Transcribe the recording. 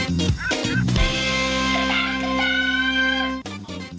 อืม